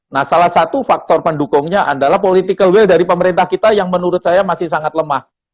nah salah satu faktor pendukungnya adalah political will dari pemerintah kita yang menurut saya masih sangat lemah